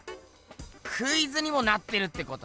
クイズにもなってるってことな？